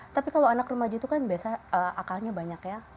tapi kalau anak remaja itu kan biasanya akalnya banyak ya